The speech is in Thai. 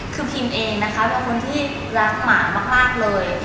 คือพิมเองนะคะเป็นคนที่รักหมามากเลย